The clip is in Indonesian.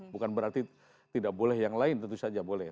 bukan berarti tidak boleh yang lain tentu saja boleh